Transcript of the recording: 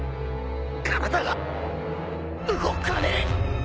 体が動かねえ。